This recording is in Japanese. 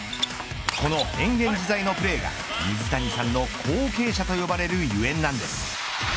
この変幻自在なプレーが水谷さんの後継者と呼ばれるゆえんなんです。